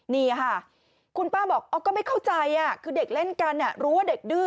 นี่ค่ะคุณป้าบอกก็ไม่เข้าใจคือเด็กเล่นกันรู้ว่าเด็กดื้อ